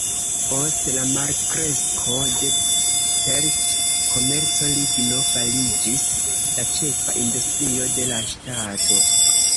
Post la malkresko de pelt-komerco, ligno fariĝis la ĉefa industrio de la ŝtato.